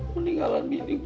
meninggalan binik gue